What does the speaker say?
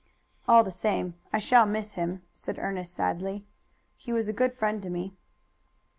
"All the same I shall miss him," said Ernest sadly. "He was a good friend to me."